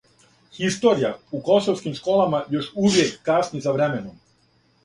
Хисторија у косовским школама још увијек касни за временом